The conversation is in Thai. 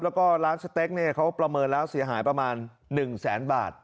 แล้วก็ร้านสเต็กเขาประเมินแล้วเสียหายประมาณ๑แสนบาท